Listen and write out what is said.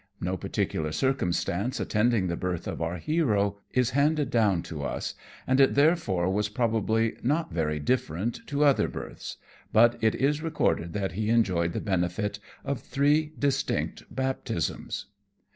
No particular circumstance attending the birth of our hero is handed down to us, and it therefore was, probably, not very different to other births; but it is recorded that he enjoyed the benefit of three distinct Baptisms.